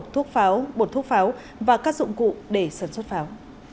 thuốc pháo bột thuốc pháo và các dụng cụ để sản xuất pháo